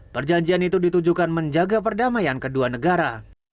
perjanjian itu ditujukan menjaga perdamaian kedua negara